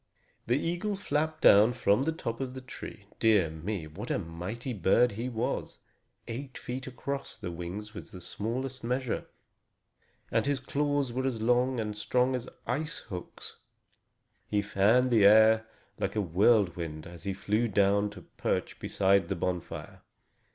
The eagle flapped down from the top of the tree. Dear me! What a mighty bird he was! Eight feet across the wings was the smallest measure, and his claws were as long and strong as ice hooks. He fanned the air like a whirlwind as he flew down to perch beside the bonfire.